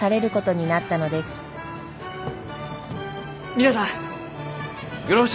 皆さんよろしゅう